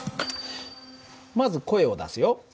まず声を出すよ。